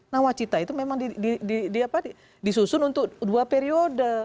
nah wacita itu memang disusun untuk dua periode